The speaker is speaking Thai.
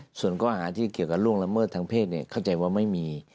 ส่วนข้อหาที่เกี่ยวกับล่วงละเมิดทางเพศเข้าใจว่าไม่มี